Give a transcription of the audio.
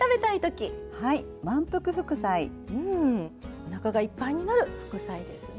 おなかがいっぱいになる副菜ですね。